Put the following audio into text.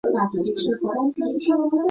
但仍有以驱除恶运的仪式存在的寺院。